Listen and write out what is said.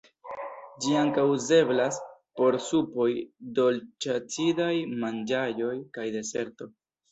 Ĝi ankaŭ uzeblas por supoj, dolĉ-acidaj manĝaĵoj kaj deserto.